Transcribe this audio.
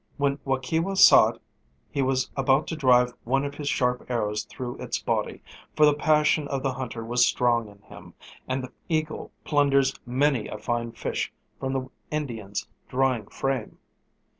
When Waukewa saw it he was about to drive one of his sharp arrows through its body, for the passion of the hunter was strong in him, and the eagle plunders many a fine fish from the Indian's drying frame.